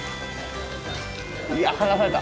いや離された。